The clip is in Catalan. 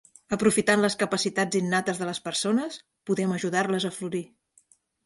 Aprofitant les capacitats innates de les persones, podem ajudar-les a florir.